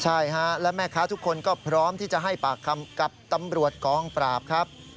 ใช่ฮะและแม่ค้าทุกคนก็พร้อมที่จะให้ปากคำกับตำรวจกองปราบครับ